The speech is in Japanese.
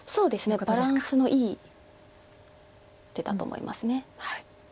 バランスのいい手だと思います。